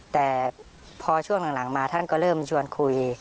แต่พอช่วงหลังมาท่านก็เริ่มชวนคุย